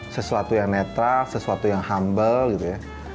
sesuatu yang netral sesuatu yang humble